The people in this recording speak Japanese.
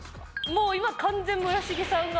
もう今完全村重さんが。